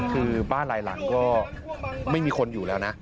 คือบ้านหลายหลังก็ไม่มีคนอยู่แล้วนะ